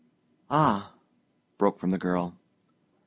"Ah!" broke from the girl.